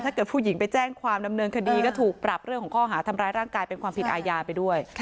ผู้หญิงไปแจ้งความดำเนินคดีก็ถูกปรับเรื่องของข้อหาทำร้ายร่างกายเป็นความผิดอาญาไปด้วย